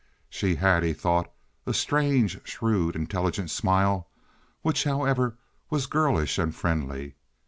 She had, he thought, a strange, shrewd, intelligent smile, which, however, was girlish and friendly.